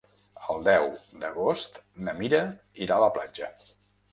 El deu d'agost na Mira irà a la platja.